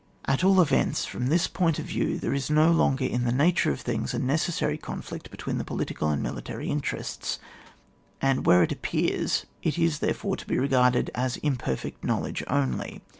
At all events, frt)m this point of view, there is no longer in the nature of things a necessary conflict between the political and military interests, and where it appears it is therefore to be regarded as imperfect knowledge only.